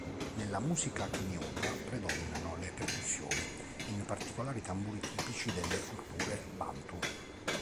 Nella musica keniota predominano le percussioni, in particolare i tamburi tipici delle culture bantu.